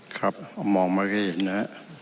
ครับมองมาก็เห็นนะ